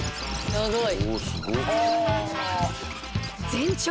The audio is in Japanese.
おすごい。